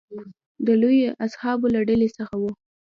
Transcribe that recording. د لویو اصحابو له ډلې څخه و.